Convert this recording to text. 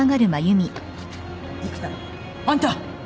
育田あんた。